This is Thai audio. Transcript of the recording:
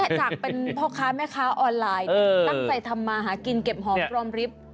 จากเป็นพ่อค้าแม่ค้าออนไลน์ตั้งใจทำมาหากินเก็บหอมรอมริฟท์